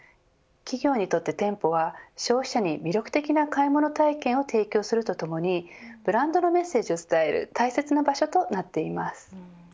企業にとって店舗は消費者に、魅力的な買い物体験を提供するとともにブランドのメッセージを伝える大切な場所となっています。